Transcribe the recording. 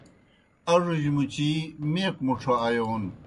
اڙوجیْ مُچِی میک مُڇھو آیون